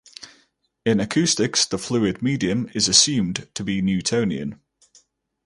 In acoustics, the fluid medium is assumed to be Newtonian.